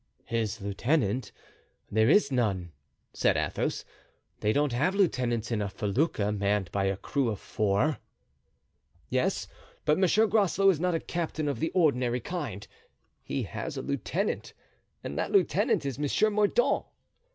"His lieutenant? There is none," said Athos. "They don't have lieutenants in a felucca manned by a crew of four." "Yes, but Monsieur Groslow is not a captain of the ordinary kind; he has a lieutenant, and that lieutenant is Monsieur Mordaunt."